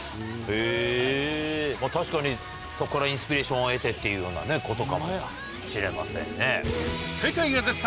へぇまぁ確かにそこからインスピレーションを得てっていうようなことかもしれませんね。